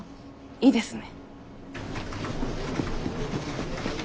いいですね。